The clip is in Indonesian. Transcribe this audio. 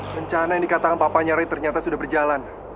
rencana yang dikatakan papa nyari ternyata sudah berjalan